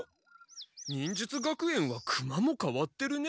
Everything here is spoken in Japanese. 忍術学園はクマもかわってるね。